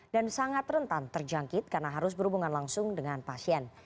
dan sangat rentan terjangkit karena harus berhubungan langsung dengan pasien